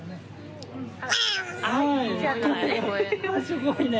すごいね！